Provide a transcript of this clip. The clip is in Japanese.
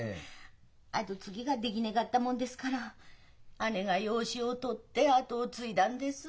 跡継ぎが出来ねがったもんですから姉が養子をとって跡を継いだんです。